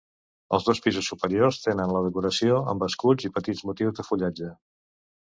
Els dos pisos superiors tenen la decoració amb escuts i petits motius de fullatge.